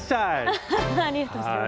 アハハありがとうございます。